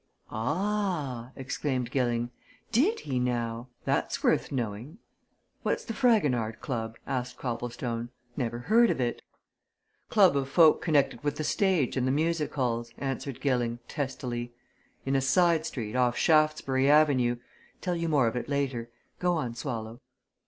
"Ah!" exclaimed Gilling. "Did he, now? That's worth knowing." "What's the Fragonard Club?" asked Copplestone. "Never heard of it." "Club of folk connected with the stage and the music halls," answered Gilling, testily. "In a side street, off Shaftesbury Avenue tell you more of it, later. Go on, Swallow."